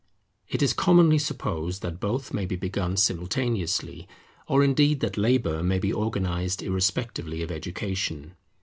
It is commonly supposed that both may be begun simultaneously: or indeed that Labour may be organized irrespectively of Education.